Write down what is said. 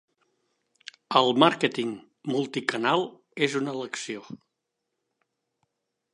El màrqueting multicanal és una elecció.